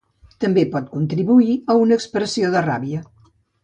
També pot contribuir a una expressió de ràbia.